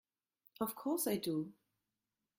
Of course I do!